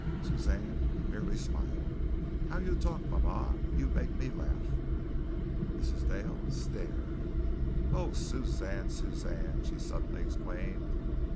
Suzanne merely smiled. "How you talk, mama. You make me laugh." Mrs. Dale stared. "Oh, Suzanne! Suzanne!" she suddenly exclaimed.